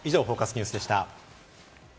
ニュースでした。